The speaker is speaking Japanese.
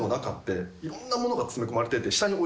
いろんなものが詰め込まれてて。